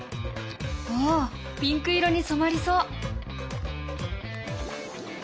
おおピンク色にそまりそう。